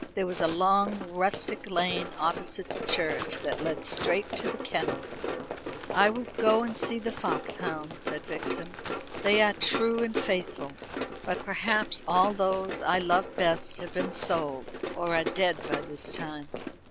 There was a long rustic lane opposite the church, that led straight to the kennels. "I will go and see the foxhounds," said Vixen. "They are true and faithful. But perhaps all those I love best have been sold, or are dead by this time."